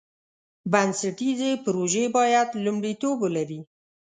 بنسټیزې پروژې باید لومړیتوب ولري.